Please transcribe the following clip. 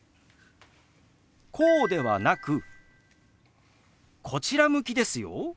こうではなくこちら向きですよ。